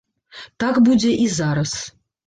Так будзе і зараз.